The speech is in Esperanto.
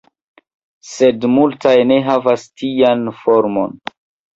Sed multaj ne havas tian formon.